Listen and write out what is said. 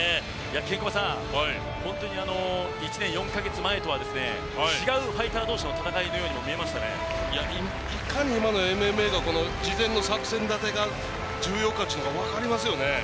ケンコバさん、１年４か月前とは違うファイター同士の戦いにもいかに今のＭＭＡが事前の作戦立てが重要かが分かりますね。